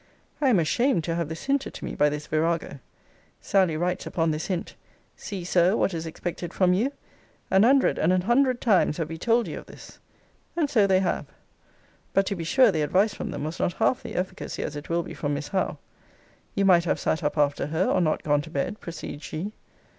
I am ashamed to have this hinted to me by this virago. Sally writes upon this hint 'See, Sir, what is expected from you. An hundred, and an hundred times have we told you of this.' And so they have. But to be sure, the advice from them was not half the efficacy as it will be from Miss Howe. 'You might have sat up after her, or not gone to bed,' proceeds she.